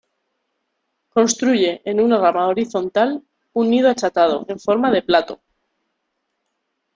Construye, en una rama horizontal, un nido achatado, en forma de plato.